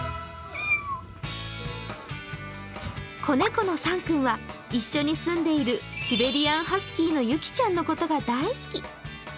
子猫のサン君は一緒に住んでいるシベリアンハスキーのユキちゃんのことが大好き。